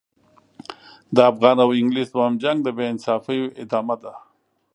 د افغان او انګلیس دوهم جنګ د بې انصافیو ادامه ده.